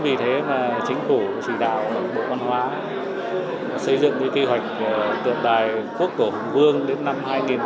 vì thế mà chính phủ chỉ đạo bộ văn hóa xây dựng cái kế hoạch tượng đài quốc của hùng vương đến năm hai nghìn ba mươi năm